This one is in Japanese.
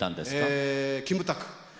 えキムタク。